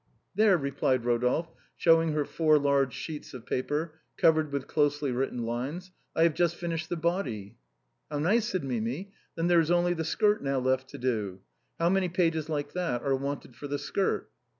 " There," replied Eodolphe, showing her four large sheets 204 THE TOILETTE OF THE GRACES. 205 of paper, covered with closely written lines, " I have just finished the waist." " How nice," said Mimi ;" then there is only the skirt now left to do. How many pages like that are wanted for the skirt?"